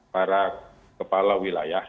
para kepala wilayah